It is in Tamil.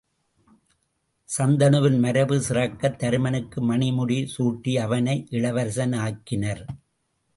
சந்தனுவின் மரபு சிறக்கத் தருமனுக்கு மணி முடி சூட்டி அவனை இளவரசன் ஆக்கினர்.